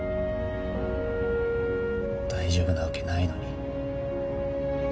大丈夫なわけないのに。